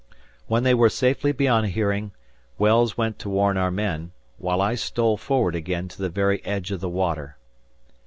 When they were safely beyond hearing, Wells went to warn our men, while I stole forward again to the very edge of the water.